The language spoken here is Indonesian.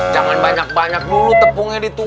jangan banyak banyak dulu tepungnya ditukar